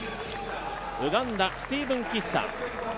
ウガンダ、スティーブン・キッサ。